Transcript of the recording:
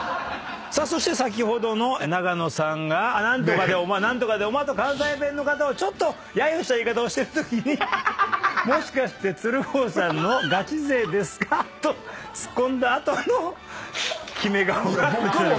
そして先ほどの永野さんが「何とかでおま何とかでおま」と関西弁の方をちょっとやゆした言い方をしてるときに「もしかして鶴光さんのガチ勢ですか？」とツッコんだ後のキメ顔がこちら。